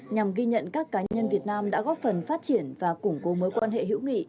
nhằm ghi nhận các cá nhân việt nam đã góp phần phát triển và củng cố mối quan hệ hữu nghị